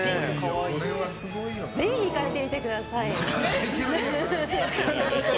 ぜひ行かれてみてください。